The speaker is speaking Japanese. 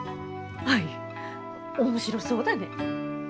アイ面白そうだね。